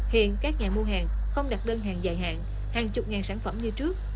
hiện các nhà mua hàng không đặt đơn hàng dài hạn hàng chục ngàn sản phẩm như trước